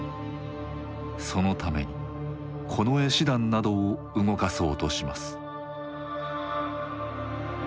そのために近衛師団などを動かそうとします。